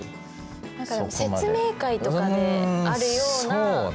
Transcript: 何か説明会とかであるような。